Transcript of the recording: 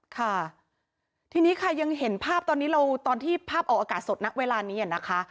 ค่ะทีนี้ค่ะยังเห็นภาพตอนนี้เราตอนที่ภาพออกอากาศสดณเวลานี้นะคะ